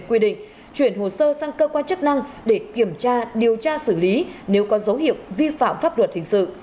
quy định chuyển hồ sơ sang cơ quan chức năng để kiểm tra điều tra xử lý nếu có dấu hiệu vi phạm pháp luật hình sự